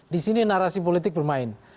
di sini narasi politik bermain